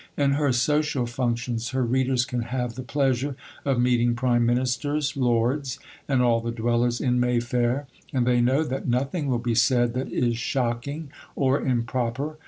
In her social functions her readers can have the pleasure of meeting prime ministers, lords, and all the dwellers in Mayfair, and they know that nothing will be said that is shocking or improper.